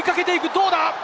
どうだ？